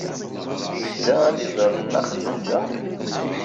Yedda ad d-iẓer Nna Xelluǧa?